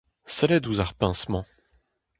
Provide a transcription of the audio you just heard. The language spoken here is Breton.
Sellit ouzh ar puñs-mañ !